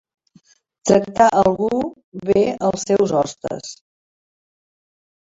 Tractar algú bé els seus hostes.